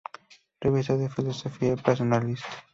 Revista de Filosofía Personalista".